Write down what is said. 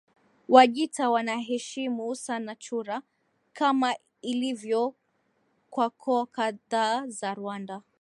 Wajita wanaheshimu sana chura kama ilivyo kwa koo kadhaa za Rwanda